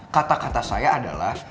kata kata saya adalah